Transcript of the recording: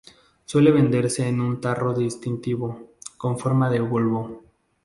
Suele venderse en un tarro distintivo, con forma de bulbo.